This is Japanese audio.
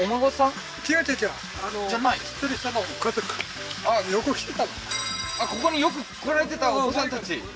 あっここによく来られてたお子さんたち